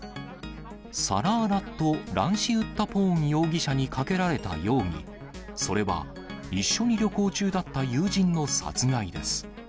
サラーラット・ランシウッタポーン容疑者にかけられた容疑、それは一緒に旅行中だった友人の殺害です。